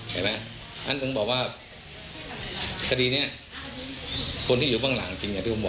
ข้อมูลเชิงลึกนี้ก็ต้องทางนี้นะครับ